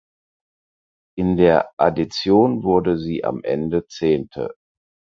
In der Addition wurde sie am Ende Zehnte.